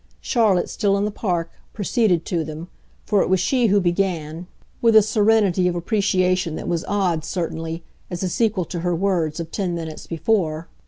Charlotte, still in the Park, proceeded to them for it was she who began with a serenity of appreciation that was odd, certainly, as a sequel to her words of ten minutes before.